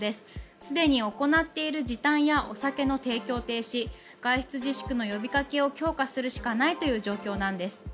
すでに行っている時短やお酒の提供停止外出自粛の呼びかけを強化するしかないという状況なんです。